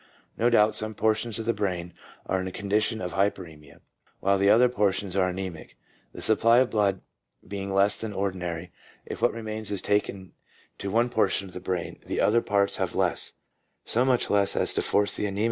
No doubt some portions of the brain are in a condition of hypersemia, while other portions are anemic. The supply of blood being less than the ordinary, if what remains is taken to one portion of the brain, the other parts have less — so much less as to force the anemic parts into a 1 W.